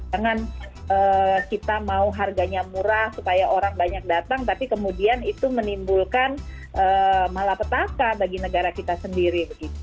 jangan kita mau harganya murah supaya orang banyak datang tapi kemudian itu menimbulkan malapetaka bagi negara kita sendiri